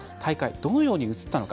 どのように映ったのか。